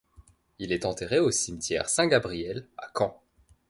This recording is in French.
Il est enterré au cimetière Saint-Gabriel à Caen.